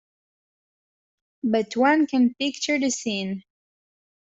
But one can picture the scene.